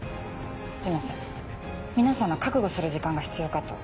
すいません皆さんが覚悟する時間が必要かと。